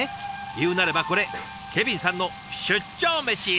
言うなればこれケビンさんの出張メシ！